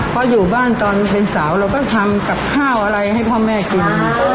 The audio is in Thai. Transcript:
เพราะอยู่บ้านตอนเป็นสาวเราก็ทำกับข้าวอะไรให้พ่อแม่กิน